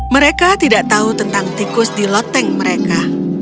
mereka tidak tahu tentang tikus di loteng mereka